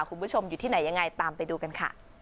คุณผู้ชมอยู่ที่ไหนยังไงตามไปดูกันค่ะ